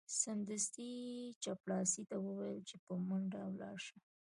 سمدستي یې چپړاسي ته وویل چې په منډه ولاړ شه.